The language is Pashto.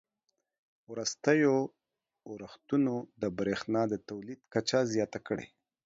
وروستیو اورښتونو د بریښنا د تولید کچه زیاته کړې